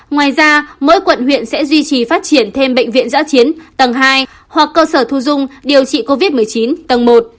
ngoài ra mỗi quận huyện sẽ duy trì phát triển thêm bệnh viện giã chiến tầng hai hoặc cơ sở thu dung điều trị covid một mươi chín tầng một